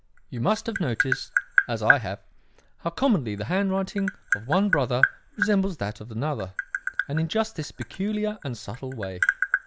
You must have noticed, as I have, how commonly the handwriting of one brother resembles that of another, and in just this peculiar and subtle way.